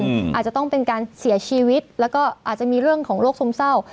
อาจจะต้องเป็นการเสียชีวิตแล้วก็อาจจะมีเรื่องของโรคซึมเศร้า